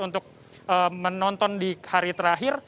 untuk menonton di hari terakhir